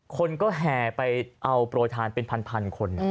คนก็แห่ไปเอาโปรยทานเป็นพันคน